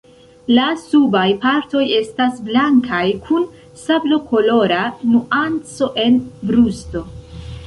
La subaj partoj estas blankaj kun sablokolora nuanco en brusto.